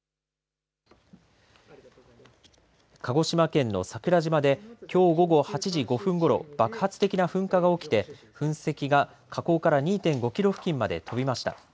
鹿児島県の桜島できょう午後８時５分ごろ爆発的な噴火が起きて噴石が火口から２．５キロ付近まで飛びました。